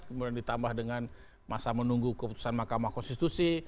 kemudian ditambah dengan masa menunggu keputusan mahkamah konstitusi